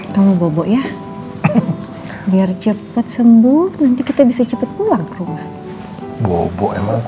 kamu bobo ya biar cepat sembuh nanti kita bisa cepat pulang rumah bobo emang